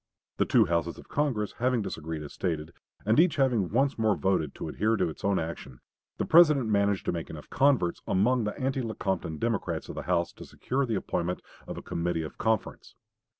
The two Houses of Congress having disagreed as stated, and each having once more voted to adhere to its own action, the President managed to make enough converts among the anti Lecompton Democrats of the House to secure the appointment of a committee of conference.